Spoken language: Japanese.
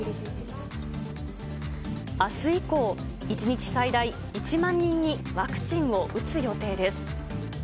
あす以降、１日最大１万人にワクチンを打つ予定です。